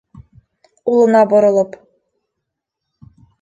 Улына боролоп: